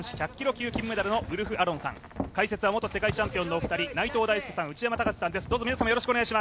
級金メダルのウルフ・アロンさん、解説は元世界チャンピオンのお二人、内藤大助さん、内山高志さんです。